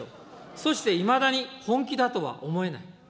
そしていまだに本気だとは思えない。